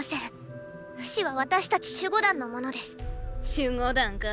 守護団か。